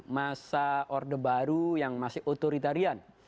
masa orde baru yang masih otoritarian